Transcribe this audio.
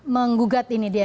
menggugat ini di ma